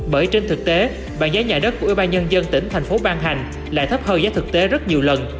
bởi trên thực tế bàn giá nhà đất của ubnd tỉnh thành phố ban hành lại thấp hơn giá thực tế rất nhiều lần